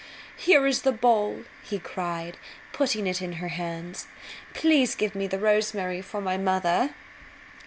"Here is the ball," he cried, putting it into her hands. "Please give me the rosemary for my mother."